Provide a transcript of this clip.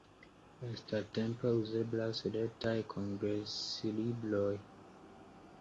Lastatempe uzeblas retaj kongreslibroj.